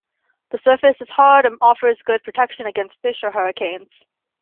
The surface is hard and offers good protection against fish or hurricanes.